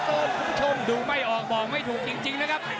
คุณผู้ชมดูไม่ออกบอกไม่ถูกจริงนะครับ